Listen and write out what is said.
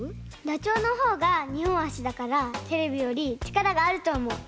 ダチョウのほうがにほんあしだからテレビよりちからがあるとおもう。